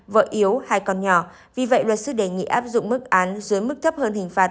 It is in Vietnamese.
vợ yếu hai con nhỏ vì vậy luật sư đề nghị áp dụng mức án dưới mức thấp hơn hình phạt